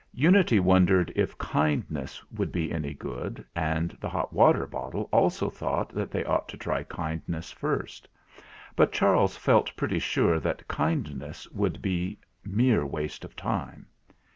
Unity wondered if kindness would be any good, and the hot water bottle also thought that they ought to try kind ness first; but Charles felt pretty sure that kindness would be mere waste of time.